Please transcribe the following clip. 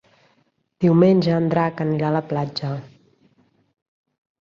Diumenge en Drac anirà a la platja.